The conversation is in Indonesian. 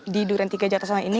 di durentiga jakarta selatan ini